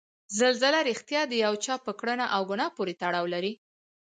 زلزله ریښتیا د یو چا په کړنه او ګناه پورې تړاو لري؟